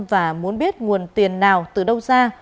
và muốn biết nguồn tiền nào từ đâu ra